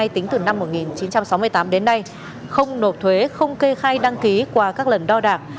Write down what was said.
tính từ năm một nghìn chín trăm sáu mươi tám đến nay không nộp thuế không kê khai đăng ký qua các lần đo đạc